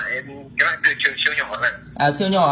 cái loại từ trường siêu nhỏ hả anh